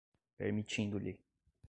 permitindo-lhe